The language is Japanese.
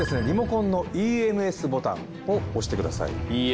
リモコンのＥＭＳボタンを押してください。